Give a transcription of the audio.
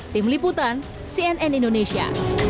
tim liputan cnn indonesia